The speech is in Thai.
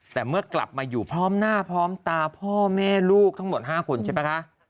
แต่เมื่อกลับมาอยู่พร้อมหน้าพร้อมตาพ่อแม่ลูกทั้งหมด๕คนใช่ไหมคะ